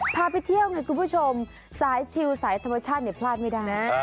พาไปเที่ยวไงคุณผู้ชมสายชิลสายธรรมชาติเนี่ยพลาดไม่ได้